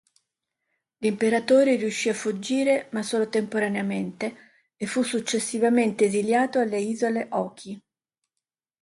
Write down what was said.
L'imperatore riuscì a fuggire, ma solo temporaneamente, e fu successivamente esiliato alle isole Oki.